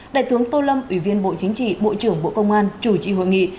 đại tướng tô lâm ủy viên bộ chính trị bộ trưởng bộ công an chủ trì hội nghị